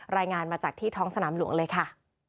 รายงานมาจากที่ท้องสนามหลวงเลยค่ะ